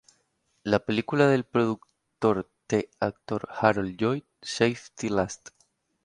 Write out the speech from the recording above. La película del productor t actor Harold Lloyd, "Safety Last!